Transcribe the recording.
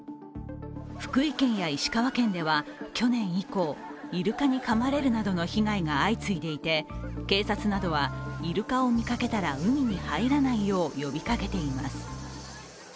福井県や石川県では去年以降、イルカにかまれるなどの被害が相次いでいて警察などはイルカを見かけたら海に入らないよう呼びかけています。